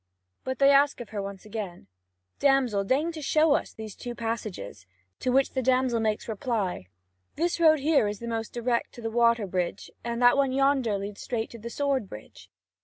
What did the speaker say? But they ask of her once again: "Damsel, deign to show us these two passages." To which the damsel makes reply: "This road here is the most direct to the water bridge, and that one yonder leads straight to the sword bridge."